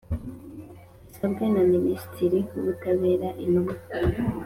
Bisabwe na minisitiri w ubutabera intumwa